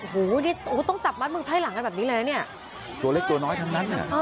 โอ้โหนี่ต้องจับมัดมือไพร่หลังกันแบบนี้เลยนะเนี่ยตัวเล็กตัวน้อยทั้งนั้นน่ะ